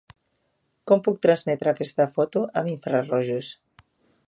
Com puc transmetre aquesta foto amb infrarojos?